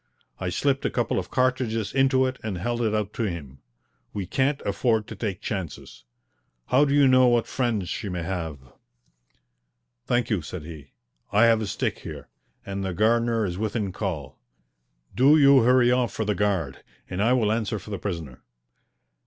I slipped a couple of cartridges into it and held it out to him. "We can't afford to take chances. How do you know what friends she may have?" "Thank you," said he. "I have a stick here, and the gardener is within call. Do you hurry off for the guard, and I will answer for the prisoner."